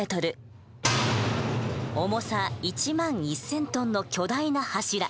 重さ１万１，０００ｔの巨大な柱。